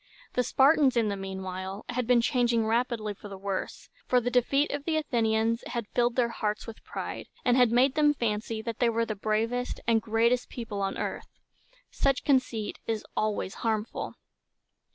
The Spartans, in the mean while, had been changing rapidly for the worse, for the defeat of the Athenians had filled their hearts with pride, and had made them fancy they were the bravest and greatest people on earth. Such conceit is always harmful.